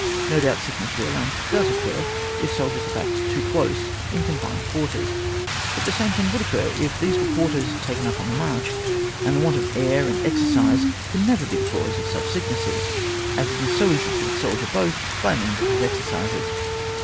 No doubt sickness will and does occur if soldiers are packed too close in confined quarters; but the same thing would occur if these were quarters taken up on the march, and the want of air and exer cise can never be the cause of such sick nesses, as it is so easy to give the soldier both by means of his exercises.